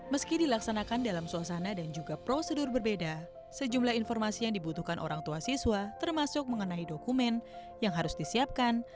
meski dilaksanakan dalam suasana dan juga prosedur berbeda sejumlah informasi yang dibutuhkan orang tua siswa termasuk mengenai dokumen yang harus disiapkan